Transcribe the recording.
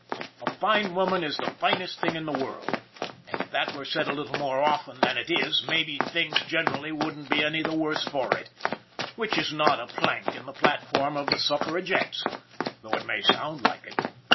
A fine woman is the finest thing in the world, and if that were said a little more often than it is maybe things generally wouldn't be any the worse for it which is not a plank in the platform of the Suffragettes, though it may sound like it.